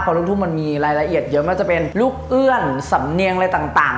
เพราะลูกทุ่งมันมีรายละเอียดเยอะมากจะเป็นลูกเอื้อนสำเนียงอะไรต่าง